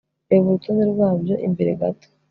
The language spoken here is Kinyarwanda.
reba urutonde rwabyo imbere gato